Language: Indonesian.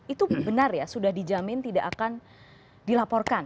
itu benar ya sudah dijamin tidak akan dilaporkan